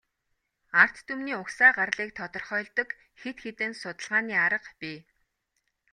Ард түмний угсаа гарлыг тодорхойлдог хэд хэдэн судалгааны арга бий.